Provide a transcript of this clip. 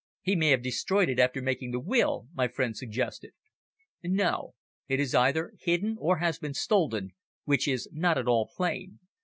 "He may have destroyed it after making the will," my friend suggested. "No, it is either hidden or has been stolen which is not at all plain.